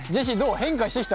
変化してきた？